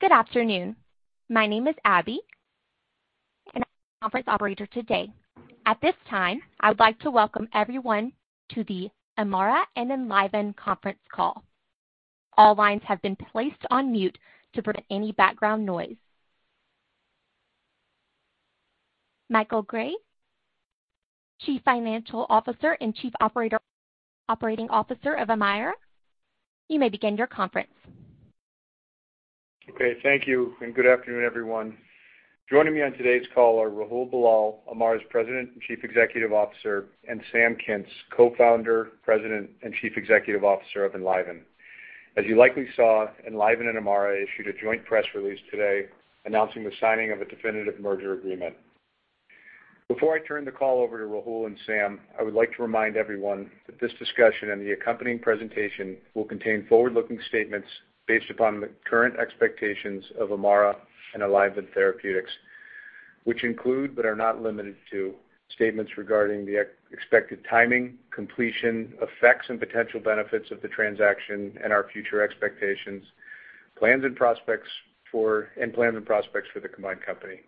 Good afternoon. My name is Abby, and I'm your conference operator today. At this time, I would like to welcome everyone to the Imara and Enliven conference call. All lines have been placed on mute to prevent any background noise. Michael Gray, Chief Financial Officer and Chief Operating Officer of Imara, you may begin your conference. Okay. Thank you, and good afternoon, everyone. Joining me on today's call are Rahul Ballal, Imara's President and Chief Executive Officer, and Sam Kintz, Co-Founder, President, and Chief Executive Officer of Enliven. As you likely saw, Enliven and Imara issued a joint press release today announcing the signing of a definitive merger agreement. Before I turn the call over to Rahul and Sam, I would like to remind everyone that this discussion and the accompanying presentation will contain forward-looking statements based upon the current expectations of Imara and Enliven Therapeutics, which include but are not limited to statements regarding the expected timing, completion, effects, and potential benefits of the transaction and our future expectations, plans and prospects for the combined company.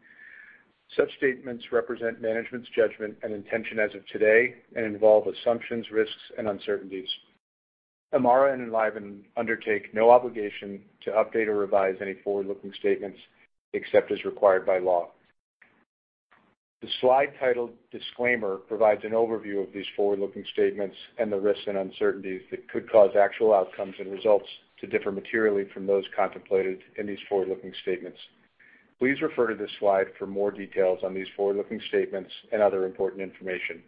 Such statements represent management's judgment and intention as of today and involve assumptions, risks, and uncertainties. Imara and Enliven undertake no obligation to update or revise any forward-looking statements except as required by law. The slide titled Disclaimer provides an overview of these forward-looking statements and the risks and uncertainties that could cause actual outcomes and results to differ materially from those contemplated in these forward-looking statements. Please refer to this slide for more details on these forward-looking statements and other important information.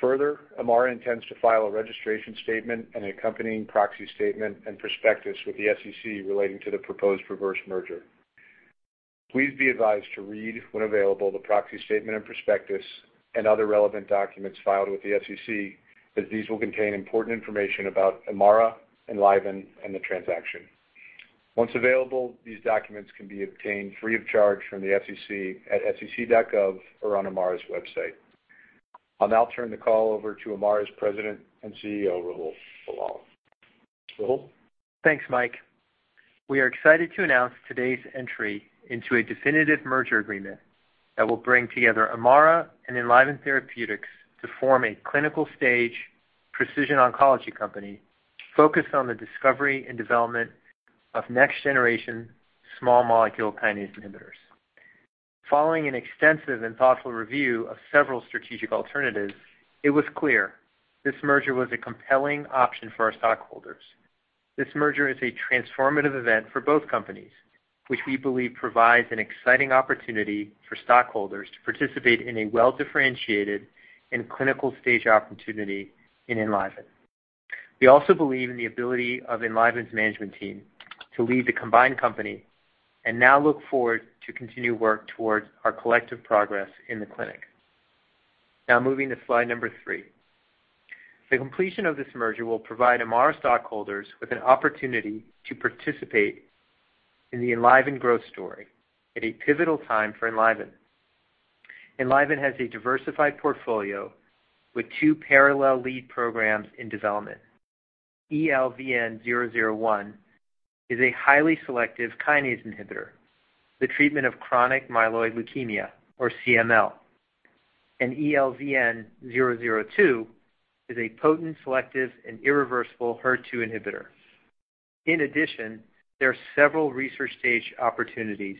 Further, Imara intends to file a registration statement and accompanying proxy statement and prospectus with the SEC relating to the proposed reverse merger. Please be advised to read, when available, the proxy statement and prospectus and other relevant documents filed with the SEC, as these will contain important information about Imara, Enliven, and the transaction. Once available, these documents can be obtained free of charge from the SEC at SEC.gov or on Imara's website. I'll now turn the call over to Imara's President and CEO, Rahul Ballal. Rahul? Thanks, Mike. We are excited to announce today's entry into a definitive merger agreement that will bring together Imara and Enliven Therapeutics to form a clinical stage precision oncology company focused on the discovery and development of next-generation small molecule kinase inhibitors. Following an extensive and thoughtful review of several strategic alternatives, it was clear this merger was a compelling option for our stockholders. This merger is a transformative event for both companies, which we believe provides an exciting opportunity for stockholders to participate in a well-differentiated and clinical stage opportunity in Enliven. We also believe in the ability of Enliven's management team to lead the combined company, and now look forward to continued work towards our collective progress in the clinic. Now moving to slide number three. The completion of this merger will provide Imara stockholders with an opportunity to participate in the Enliven growth story at a pivotal time for Enliven. Enliven has a diversified portfolio with two parallel lead programs in development. ELVN-001 is a highly selective kinase inhibitor for the treatment of chronic myeloid leukemia or CML. ELVN-002 is a potent, selective, and irreversible HER2 inhibitor. In addition, there are several research-stage opportunities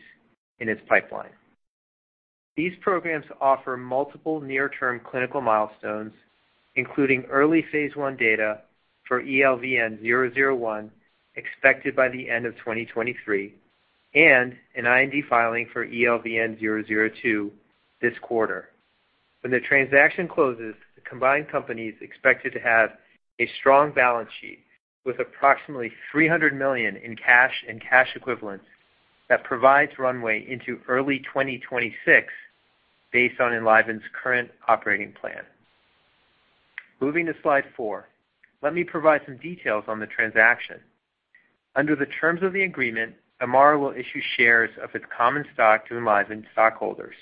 in its pipeline. These programs offer multiple near-term clinical milestones, including early phase I data for ELVN-001 expected by the end of 2023, and an IND filing for ELVN-002 this quarter. When the transaction closes, the combined company is expected to have a strong balance sheet with approximately $300 million in cash and cash equivalents that provides runway into early 2026 based on Enliven's current operating plan. Moving to slide four, let me provide some details on the transaction. Under the terms of the agreement, Imara will issue shares of its common stock to Enliven stockholders.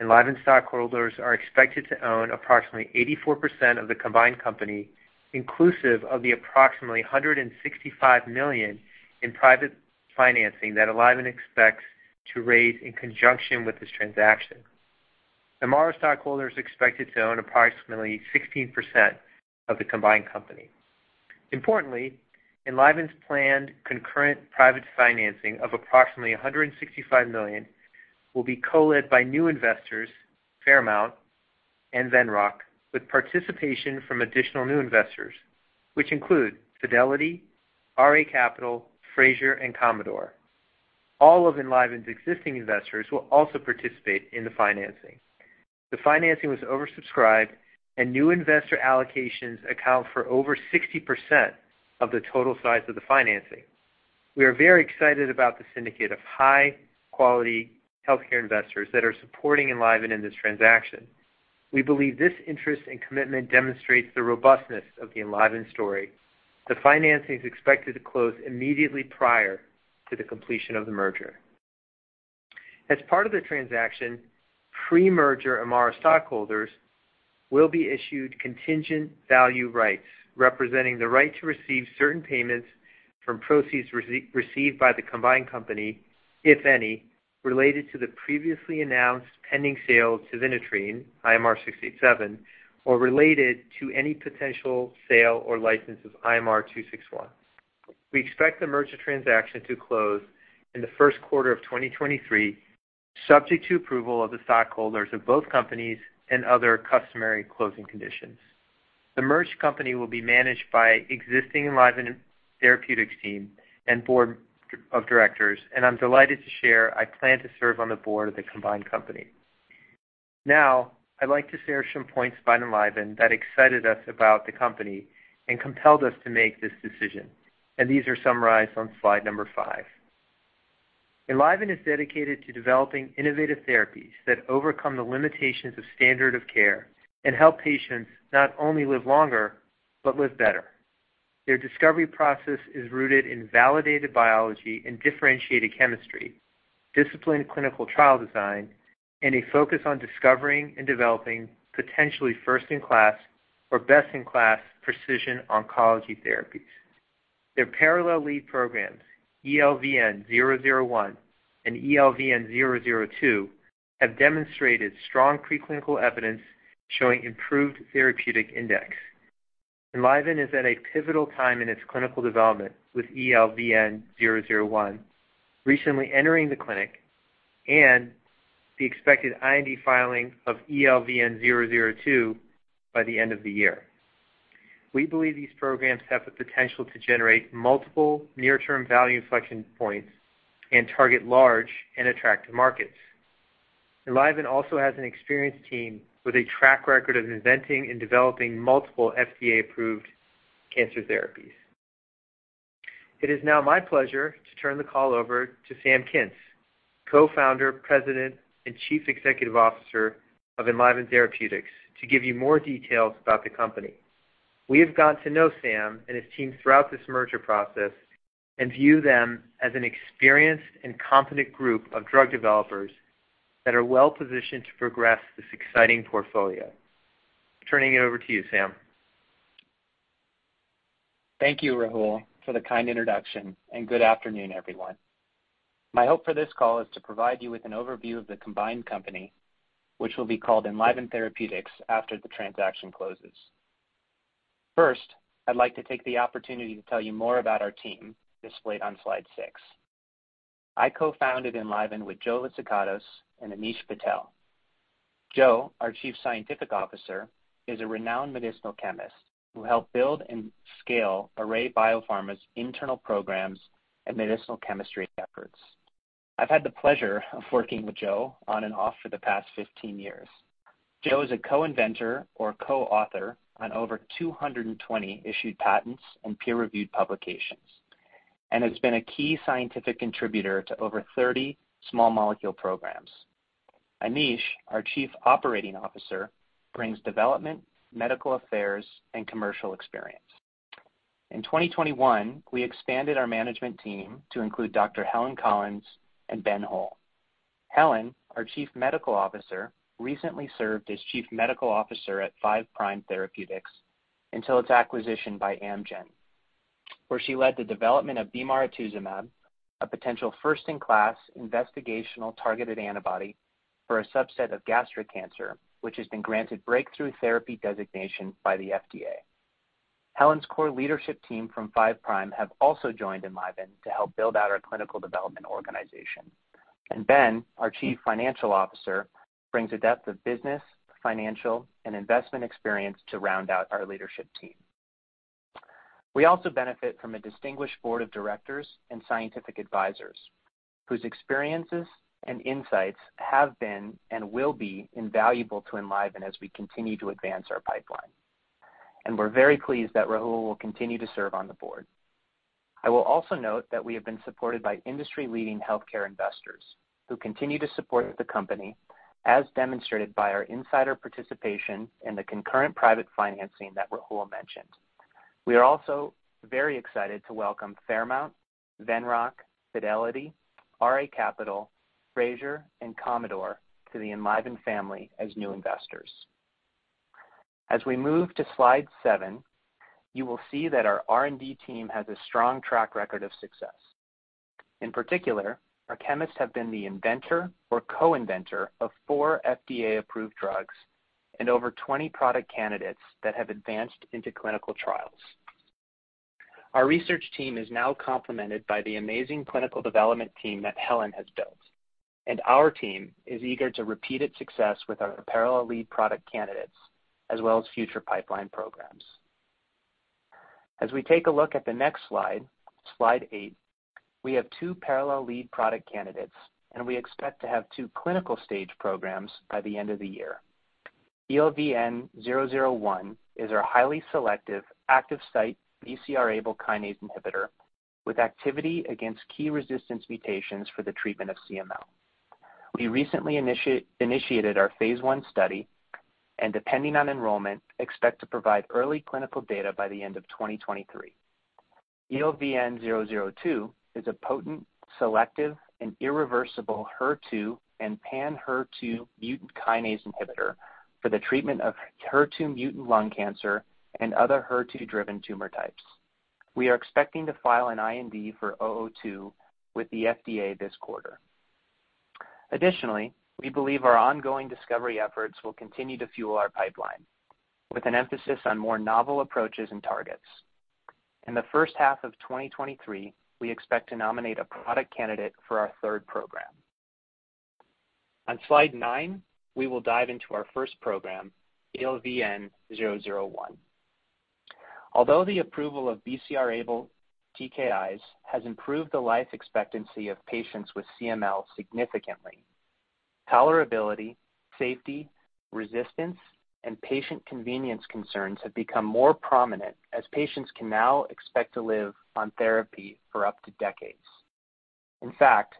Enliven stockholders are expected to own approximately 84% of the combined company, inclusive of the approximately $165 million in private financing that Enliven expects to raise in conjunction with this transaction. Imara stockholders are expected to own approximately 16% of the combined company. Importantly, Enliven's planned concurrent private financing of approximately $165 million will be co-led by new investors, Fairmount and Venrock, with participation from additional new investors, which include Fidelity, RA Capital, Frazier, and Commodore. All of Enliven's existing investors will also participate in the financing. The financing was oversubscribed and new investor allocations account for over 60% of the total size of the financing. We are very excited about the syndicate of high-quality healthcare investors that are supporting Enliven in this transaction. We believe this interest and commitment demonstrates the robustness of the Enliven story. The financing is expected to close immediately prior to the completion of the merger. As part of the transaction, pre-merger Imara stockholders will be issued contingent value rights, representing the right to receive certain payments from proceeds received by the combined company, if any, related to the previously announced pending sale of tovinontrine, IMR-687, or related to any potential sale or license of IMR-261. We expect the merger transaction to close in the first quarter of 2023, subject to approval of the stockholders of both companies and other customary closing conditions. The merged company will be managed by existing Enliven Therapeutics team and board of directors, and I'm delighted to share I plan to serve on the board of the combined company. Now, I'd like to share some points about Enliven that excited us about the company and compelled us to make this decision, and these are summarized on slide number five. Enliven is dedicated to developing innovative therapies that overcome the limitations of standard of care and help patients not only live longer, but live better. Their discovery process is rooted in validated biology and differentiated chemistry, disciplined clinical trial design, and a focus on discovering and developing potentially first-in-class or best-in-class precision oncology therapies. Their parallel lead programs, ELVN-001 and ELVN-002, have demonstrated strong preclinical evidence showing improved therapeutic index. Enliven is at a pivotal time in its clinical development with ELVN-001 recently entering the clinic and the expected IND filing of ELVN-002 by the end of the year. We believe these programs have the potential to generate multiple near-term value inflection points and target large and attractive markets. Enliven also has an experienced team with a track record of inventing and developing multiple FDA-approved cancer therapies. It is now my pleasure to turn the call over to Sam Kintz, Co-founder, President, and Chief Executive Officer of Enliven Therapeutics, to give you more details about the company. We have gotten to know Sam and his team throughout this merger process and view them as an experienced and competent group of drug developers that are well-positioned to progress this exciting portfolio. Turning it over to you, Sam. Thank you, Rahul, for the kind introduction, and good afternoon, everyone. My hope for this call is to provide you with an overview of the combined company, which will be called Enliven Therapeutics after the transaction closes. First, I'd like to take the opportunity to tell you more about our team, displayed on slide six. I co-founded Enliven with Joe Lyssikatos and Anish Patel. Joe, our Chief Scientific Officer, is a renowned medicinal chemist who helped build and scale Array BioPharma's internal programs and medicinal chemistry efforts. I've had the pleasure of working with Joe on and off for the past 15 years. Joe is a co-inventor or co-author on over 220 issued patents and peer-reviewed publications, and has been a key scientific contributor to over 30 small molecule programs. Anish, our Chief Operating Officer, brings development, medical affairs, and commercial experience. In 2021, we expanded our management team to include Dr. Helen Collins and Ben Hohl. Helen, our Chief Medical Officer, recently served as chief medical officer at Five Prime Therapeutics until its acquisition by Amgen, where she led the development of bemarituzumab, a potential first-in-class investigational targeted antibody for a subset of gastric cancer, which has been granted Breakthrough Therapy designation by the FDA. Helen's core leadership team from Five Prime have also joined Enliven to help build out our clinical development organization. Ben, our Chief Financial Officer, brings a depth of business, financial, and investment experience to round out our leadership team. We also benefit from a distinguished board of directors and scientific advisors whose experiences and insights have been and will be invaluable to Enliven as we continue to advance our pipeline. We're very pleased that Rahul Ballal will continue to serve on the board. I will also note that we have been supported by industry-leading healthcare investors who continue to support the company, as demonstrated by our insider participation in the concurrent private financing that Rahul mentioned. We are also very excited to welcome Fairmount, Venrock, Fidelity, RA Capital, Frazier, and Commodore to the Enliven family as new investors. As we move to slide seven, you will see that our R&D team has a strong track record of success. In particular, our chemists have been the inventor or co-inventor of four FDA-approved drugs and over 20 product candidates that have advanced into clinical trials. Our research team is now complemented by the amazing clinical development team that Helen has built, and our team is eager to repeat its success with our parallel lead product candidates, as well as future pipeline programs. As we take a look at the next slide eight, we have two parallel lead product candidates, and we expect to have two clinical stage programs by the end of the year. ELVN-001 is our highly selective active site BCR-ABL kinase inhibitor with activity against key resistance mutations for the treatment of CML. We recently initiated our phase I study and, depending on enrollment, expect to provide early clinical data by the end of 2023. ELVN-002 is a potent, selective, and irreversible HER2 and pan-HER2 mutant kinase inhibitor for the treatment of HER2 mutant lung cancer and other HER2-driven tumor types. We are expecting to file an IND for ELVN-002 with the FDA this quarter. Additionally, we believe our ongoing discovery efforts will continue to fuel our pipeline, with an emphasis on more novel approaches and targets. In the first half of 2023, we expect to nominate a product candidate for our third program. On slide nine, we will dive into our first program, ELVN-001. Although the approval of BCR-ABL TKIs has improved the life expectancy of patients with CML significantly, tolerability, safety, resistance, and patient convenience concerns have become more prominent as patients can now expect to live on therapy for up to decades. In fact,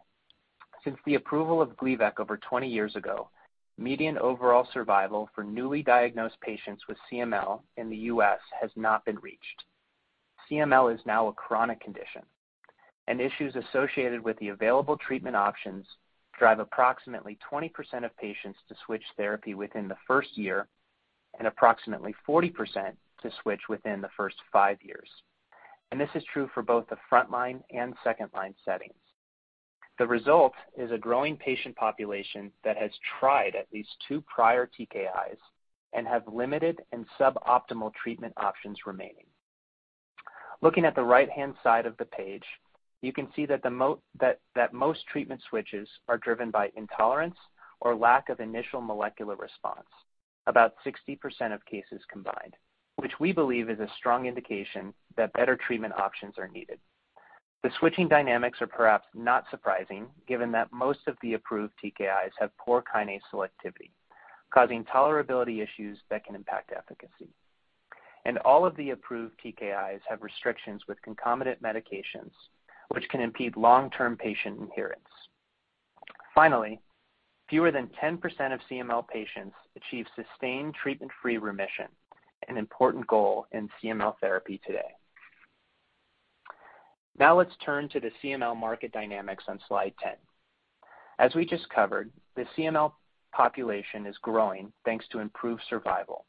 since the approval of Gleevec over 20 years ago, median overall survival for newly diagnosed patients with CML in the U.S. has not been reached. CML is now a chronic condition, and issues associated with the available treatment options drive approximately 20% of patients to switch therapy within the first year and approximately 40% to switch within the first five years, and this is true for both the front line and second line settings. The result is a growing patient population that has tried at least two prior TKIs and have limited and suboptimal treatment options remaining. Looking at the right-hand side of the page, you can see that most treatment switches are driven by intolerance or lack of initial molecular response, about 60% of cases combined, which we believe is a strong indication that better treatment options are needed. The switching dynamics are perhaps not surprising, given that most of the approved TKIs have poor kinase selectivity, causing tolerability issues that can impact efficacy. All of the approved TKIs have restrictions with concomitant medications, which can impede long-term patient adherence. Finally, fewer than 10% of CML patients achieve sustained treatment-free remission, an important goal in CML therapy today. Now let's turn to the CML market dynamics on slide 10. As we just covered, the CML population is growing thanks to improved survival,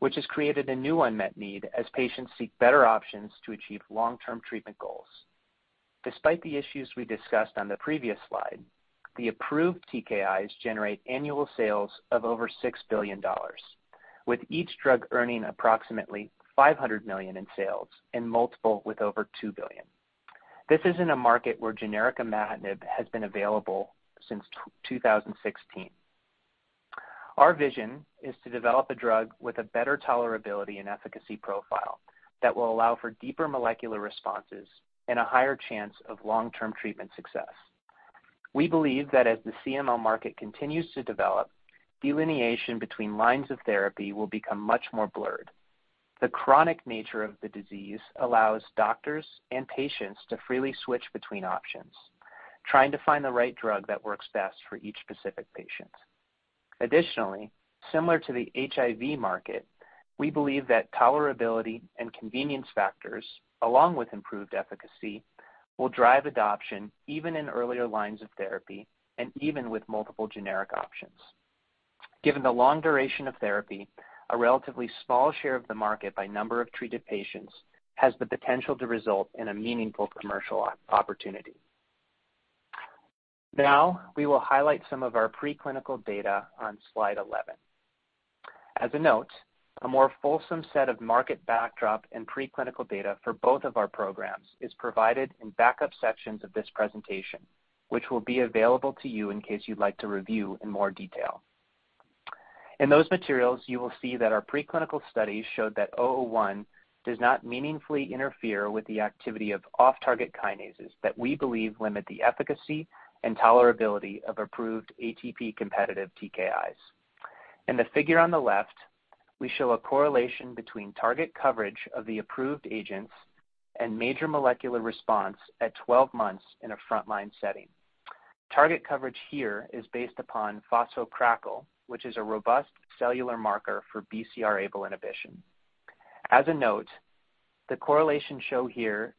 which has created a new unmet need as patients seek better options to achieve long-term treatment goals. Despite the issues we discussed on the previous slide, the approved TKIs generate annual sales of over $6 billion, with each drug earning approximately $500 million in sales and multiple with over $2 billion. This is in a market where generic imatinib has been available since 2016. Our vision is to develop a drug with a better tolerability and efficacy profile that will allow for deeper molecular responses and a higher chance of long-term treatment success. We believe that as the CML market continues to develop, delineation between lines of therapy will become much more blurred. The chronic nature of the disease allows doctors and patients to freely switch between options, trying to find the right drug that works best for each specific patient. Additionally, similar to the HIV market, we believe that tolerability and convenience factors, along with improved efficacy, will drive adoption even in earlier lines of therapy and even with multiple generic options. Given the long duration of therapy, a relatively small share of the market by number of treated patients has the potential to result in a meaningful commercial opportunity. Now, we will highlight some of our preclinical data on slide 11. As a note, a more fulsome set of market backdrop and preclinical data for both of our programs is provided in backup sections of this presentation, which will be available to you in case you'd like to review in more detail. In those materials, you will see that our preclinical studies showed that ELVN-001 does not meaningfully interfere with the activity of off-target kinases that we believe limit the efficacy and tolerability of approved ATP-competitive TKIs. In the figure on the left, we show a correlation between target coverage of the approved agents and major molecular response at 12 months in a front-line setting. Target coverage here is based upon phospho-CrkL, which is a robust cellular marker for BCR-ABL inhibition. As a note, the correlation shown here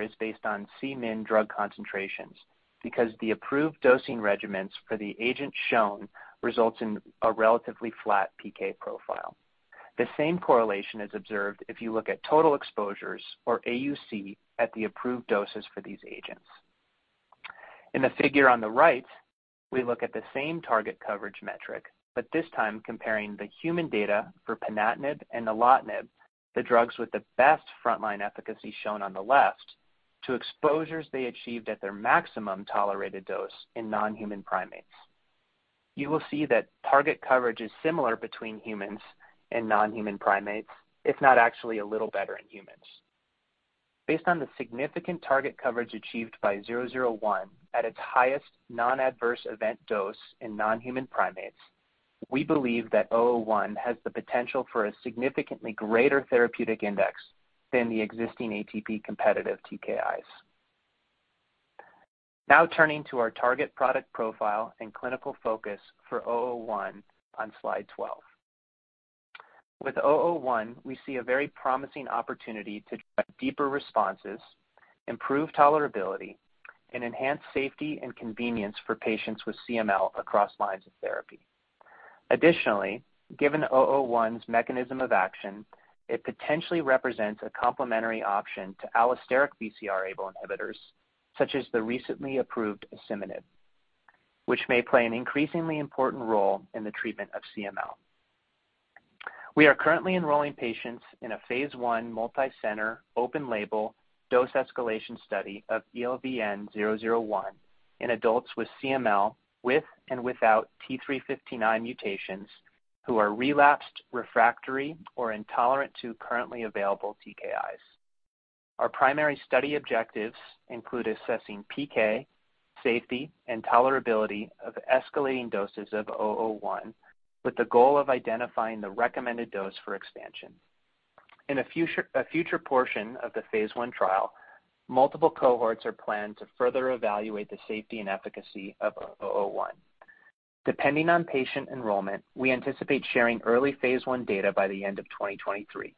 is based on Cmin drug concentrations because the approved dosing regimens for the agent shown results in a relatively flat PK profile. The same correlation is observed if you look at total exposures or AUC at the approved doses for these agents. In the figure on the right, we look at the same target coverage metric, but this time comparing the human data for ponatinib and asciminib, the drugs with the best front-line efficacy shown on the left, to exposures they achieved at their maximum tolerated dose in non-human primates. You will see that target coverage is similar between humans and non-human primates, if not actually a little better in humans. Based on the significant target coverage achieved by ELVN-001 at its highest non-adverse event dose in non-human primates, we believe that ELVN-001 has the potential for a significantly greater therapeutic index than the existing ATP-competitive TKIs. Now turning to our target product profile and clinical focus for ELVN-001 on slide 12. With ELVN-001, we see a very promising opportunity to drive deeper responses, improve tolerability, and enhance safety and convenience for patients with CML across lines of therapy. Additionally, given ELVN-001's mechanism of action, it potentially represents a complementary option to allosteric BCR-ABL inhibitors, such as the recently approved asciminib, which may play an increasingly important role in the treatment of CML. We are currently enrolling patients in a phase I multi-center open label dose escalation study of ELVN-001 in adults with CML with and without T359 mutations who are relapsed, refractory, or intolerant to currently available TKIs. Our primary study objectives include assessing PK, safety, and tolerability of escalating doses of ELVN-001 with the goal of identifying the recommended dose for expansion. In a future portion of the phase I trial, multiple cohorts are planned to further evaluate the safety and efficacy of ELVN-001. Depending on patient enrollment, we anticipate sharing early phase I data by the end of 2023.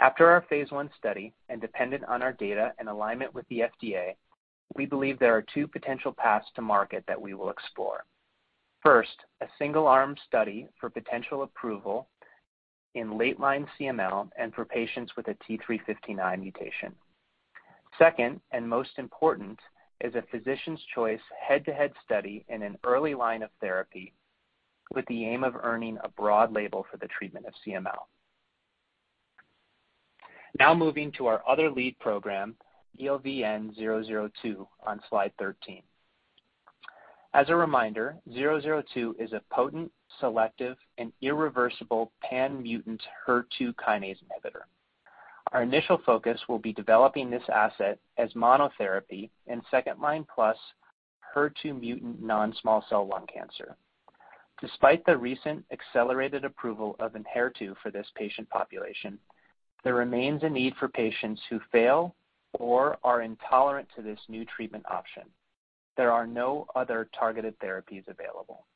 After our phase I study and dependent on our data and alignment with the FDA, we believe there are two potential paths to market that we will explore. First, a single-arm study for potential approval in late-line CML and for patients with a T315I mutation. Second, and most important, is a physician's choice head-to-head study in an early line of therapy with the aim of earning a broad label for the treatment of CML. Now moving to our other lead program, ELVN-002 on slide 13. As a reminder, 002 is a potent, selective, and irreversible pan-mutant HER2 kinase inhibitor. Our initial focus will be developing this asset as monotherapy in second-line plus HER2 mutant non-small cell lung cancer. Despite the recent accelerated approval of Enhertu for this patient population, there remains a need for patients who fail or are intolerant to this new treatment option. There are no other targeted therapies available.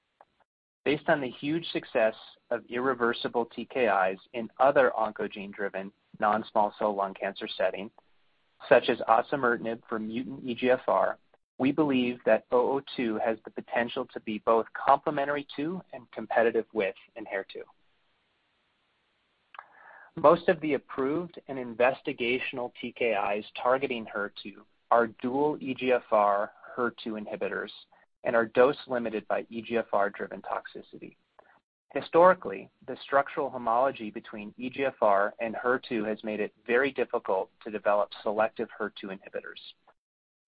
Based on the huge success of irreversible TKIs in other oncogene-driven non-small cell lung cancer setting, such as Osimertinib for mutant EGFR, we believe that ELVN-002 has the potential to be both complementary to and competitive with Enhertu. Most of the approved and investigational TKIs targeting HER2 are dual EGFR/HER2 inhibitors and are dose-limited by EGFR-driven toxicity. Historically, the structural homology between EGFR and HER2 has made it very difficult to develop selective HER2 inhibitors.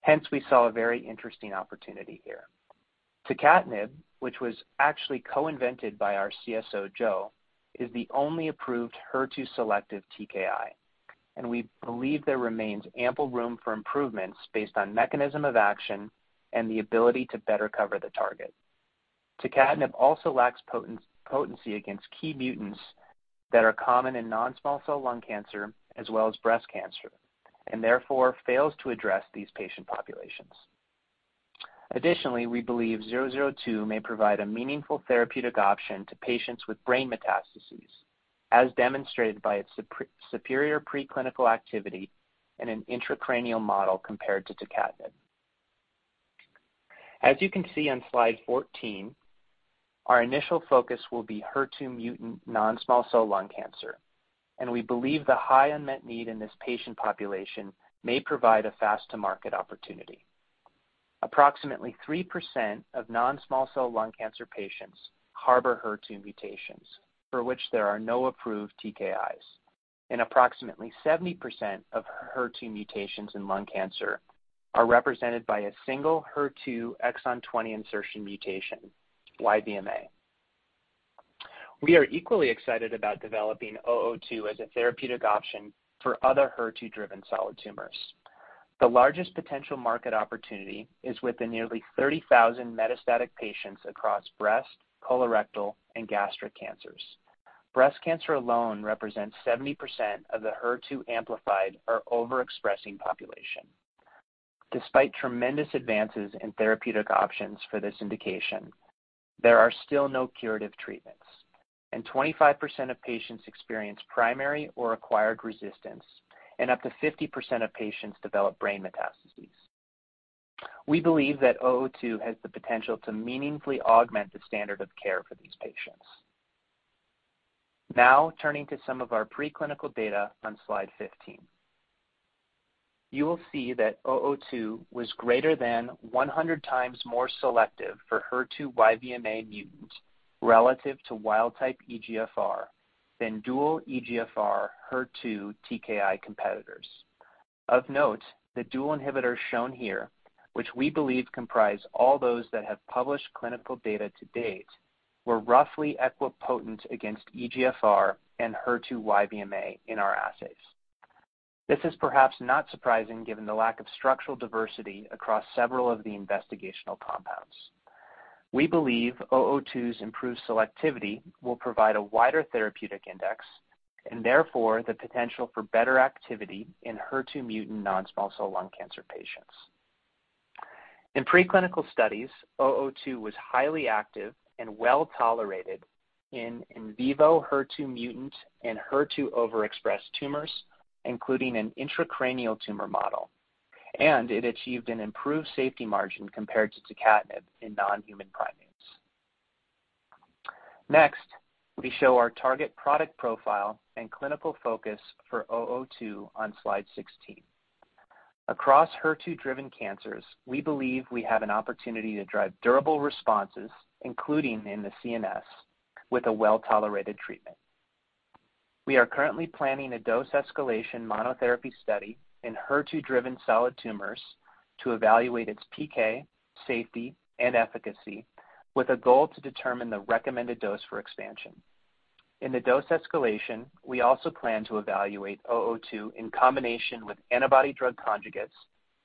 Hence, we saw a very interesting opportunity here. Tucatinib, which was actually co-invented by our CSO, Joe, is the only approved HER2 selective TKI, and we believe there remains ample room for improvements based on mechanism of action and the ability to better cover the target. Tucatinib also lacks potency against key mutants that are common in non-small cell lung cancer as well as breast cancer, and therefore fails to address these patient populations. Additionally, we believe 002 may provide a meaningful therapeutic option to patients with brain metastases, as demonstrated by its superior preclinical activity in an intracranial model compared to Tucatinib. As you can see on slide 14, our initial focus will be HER2 mutant non-small cell lung cancer, and we believe the high unmet need in this patient population may provide a fast-to-market opportunity. Approximately 3% of non-small cell lung cancer patients harbor HER2 mutations for which there are no approved TKIs. Approximately 70% of HER2 mutations in lung cancer are represented by a single HER2 exon 20 insertion mutation, YVMA. We are equally excited about developing 002 as a therapeutic option for other HER2-driven solid tumors. The largest potential market opportunity is with the nearly 30,000 metastatic patients across breast, colorectal, and gastric cancers. Breast cancer alone represents 70% of the HER2 amplified or overexpressing population. Despite tremendous advances in therapeutic options for this indication, there are still no curative treatments, and 25% of patients experience primary or acquired resistance, and up to 50% of patients develop brain metastases. We believe that ELVN-002 has the potential to meaningfully augment the standard of care for these patients. Now turning to some of our preclinical data on slide 15. You will see that ELVN-002 was greater than 100 times more selective for HER2 YVMA mutant relative to wild type EGFR than dual EGFR/HER2 TKI competitors. Of note, the dual inhibitors shown here, which we believe comprise all those that have published clinical data to date, were roughly equipotent against EGFR and HER2 YVMA in our assays. This is perhaps not surprising given the lack of structural diversity across several of the investigational compounds. We believe ELVN-002's improved selectivity will provide a wider therapeutic index and therefore the potential for better activity in HER2 mutant non-small cell lung cancer patients. In preclinical studies, ELVN-002 was highly active and well-tolerated in in vivo HER2 mutant and HER2 overexpressed tumors, including an intracranial tumor model. It achieved an improved safety margin compared to tucatinib in non-human primates. Next, we show our target product profile and clinical focus for ELVN-002 on slide 16. Across HER2-driven cancers, we believe we have an opportunity to drive durable responses, including in the CNS, with a well-tolerated treatment. We are currently planning a dose escalation monotherapy study in HER2-driven solid tumors to evaluate its PK, safety, and efficacy with a goal to determine the recommended dose for expansion. In the dose escalation, we also plan to evaluate ELVN-002 in combination with antibody-drug conjugates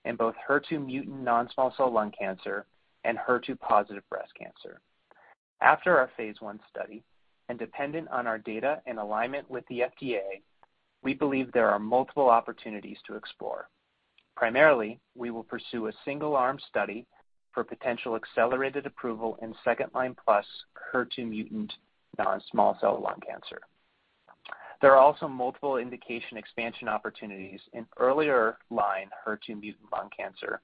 in both HER2 mutant non-small cell lung cancer and HER2-positive breast cancer. After our phase I study, and dependent on our data and alignment with the FDA, we believe there are multiple opportunities to explore. Primarily, we will pursue a single-arm study for potential accelerated approval in second-line-plus HER2 mutant non-small cell lung cancer. There are also multiple indication expansion opportunities in earlier line HER2 mutant lung cancer,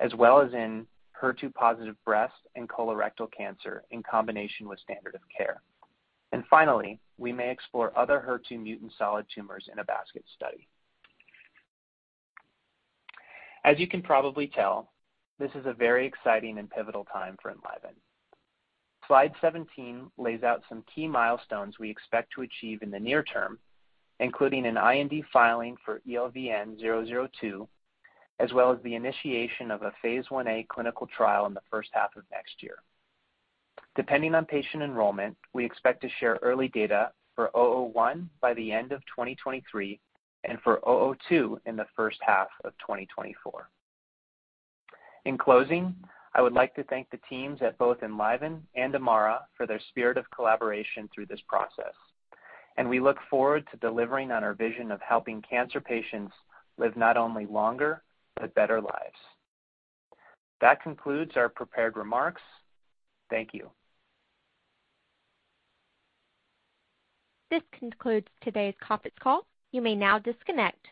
as well as in HER2-positive breast and colorectal cancer in combination with standard of care. Finally, we may explore other HER2 mutant solid tumors in a basket study. As you can probably tell, this is a very exciting and pivotal time for Enliven. Slide 17 lays out some key milestones we expect to achieve in the near term, including an IND filing for ELVN-002, as well as the initiation of a phase Ia clinical trial in the first half of next year. Depending on patient enrollment, we expect to share early data for ELVN-001 by the end of 2023 and for ELVN-002 in the first half of 2024. In closing, I would like to thank the teams at both Enliven and Imara for their spirit of collaboration through this process. We look forward to delivering on our vision of helping cancer patients live not only longer, but better lives. That concludes our prepared remarks. Thank you. This concludes today's conference call. You may now disconnect.